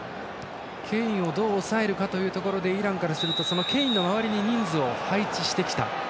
ケインをどう抑えるかという部分でイランからするとケインの周りに人数を配置した。